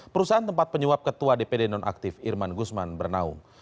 perusahaan tempat penyuap ketua dpd nonaktif irman gusman bernaung